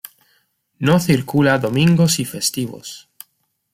No circula domingos y festivos.